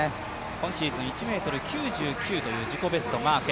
今シーズン１ｍ９９という自己ベストをマーク。